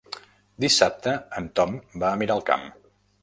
Dissabte en Tom va a Miralcamp.